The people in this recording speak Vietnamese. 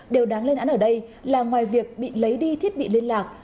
điều đáng lên án ở đây là ngoài việc bị lấy đi thiết bị liên lạc